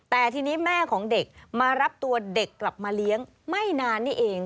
แต่ทีนี้แม่ของเด็กมารับตัวเด็กกลับมาเลี้ยงไม่นานนี่เอง